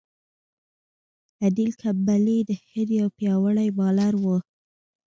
انیل کمبلې د هند یو پياوړی بالر وو.